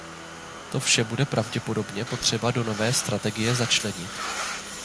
To vše bude pravděpodobně potřeba do nové strategie začlenit.